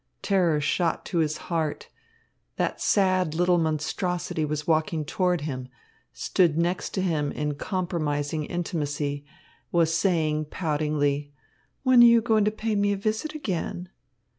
Terror shot to his heart. That sad little monstrosity was walking toward him stood next to him in compromising intimacy was saying poutingly: "When are you going to pay me a visit again?"